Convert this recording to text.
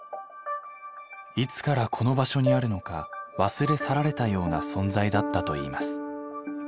いつからこの場所にあるのか忘れ去られたような存在だったといいます。